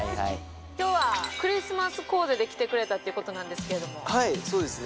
今日はクリスマスコーデで来てくれたってことなんですけれどもはいそうですね